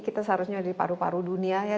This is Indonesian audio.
kita seharusnya di paru paru dunia ya